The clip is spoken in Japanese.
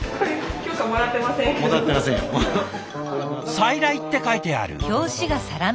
「再来」って書いてある。